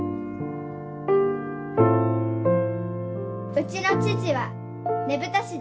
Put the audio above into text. うちの父はねぶた師だ。